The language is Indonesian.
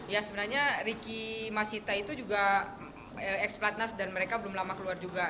ya sebenarnya ricky masita itu juga ex platnas dan mereka belum lama keluar juga